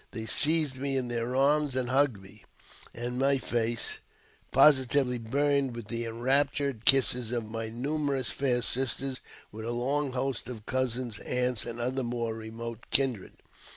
They seized me in their arms and hugged me, and my face positively burned with the enraptured kisses of my numerous fair sisters, with a long host of cousins, aunts, and other more remote kindred.